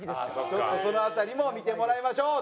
ちょっとその辺りも見てもらいましょう。